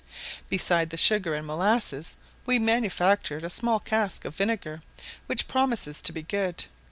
Beside the sugar and molasses, we manufactured a small cask of vinegar, which promises to be good.